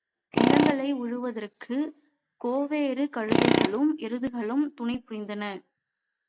நிலங்களை உழுவதற்குக் கோவேறு கழுதைகளும் எருதுகளும் துணைபுரிந்தன.